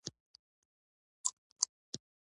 دغه اعلان په داسې حال کې کېږي چې